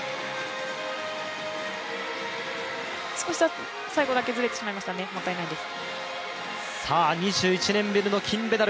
少し、最後だけずれてしまいましたね、もったいないです。